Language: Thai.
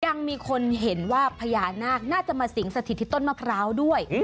ยังมีคนเห็นว่าพญานาคน่าจะมาสิงสถิตที่ต้นมะพร้าวด้วย